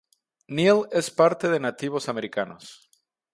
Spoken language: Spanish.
Neal es parte de Nativos Americanos.